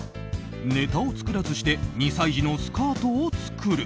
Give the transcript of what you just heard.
ネタを作らずして２歳児のスカートを作る。